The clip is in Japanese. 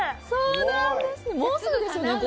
そうなんですね。